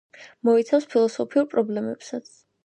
მოიცავს ფილოსოფიურ პრობლემებსაც.